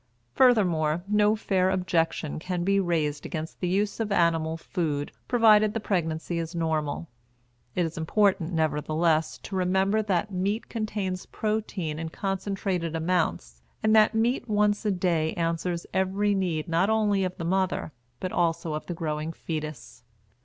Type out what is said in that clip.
Furthermore, no fair objection can be raised against the use of animal food, provided the pregnancy is normal. It is important, nevertheless, to remember that meat contains protein in concentrated amounts, and that meat once a day answers every need not only of the mother but also of the growing fetus.